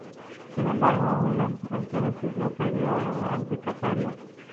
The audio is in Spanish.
Sin embargo, en Genesis lo perdió ante Kazarian.